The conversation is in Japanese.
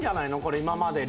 今まで。